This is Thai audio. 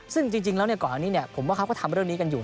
ซึ่งจริงแล้วก่อนอันนี้ผมว่าเขาก็ทำเรื่องนี้กันอยู่